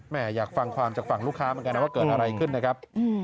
อยากฟังความจากฝั่งลูกค้าเหมือนกันนะว่าเกิดอะไรขึ้นนะครับ